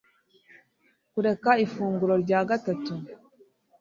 Kureka ifunguro rya gatatu